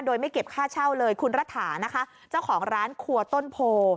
โดยไม่เก็บค่าเช่าเลยคุณรัฐานะคะเจ้าของร้านครัวต้นโพ